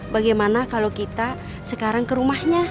bagaimana kalau kita sekarang ke rumahnya